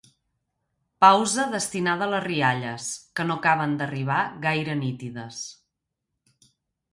Pausa destinada a les rialles, que no acaben d'arribar gaire nítides.